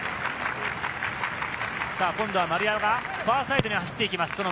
今度は丸山がファーサイドに走っていきます。